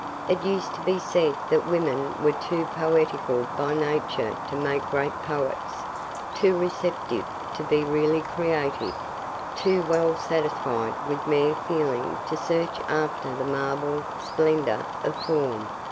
It used to be said that women were too poetical by nature to make great poets, too receptive to be really creative, too well satisfied with mere feeling to search after the marble splendour of form.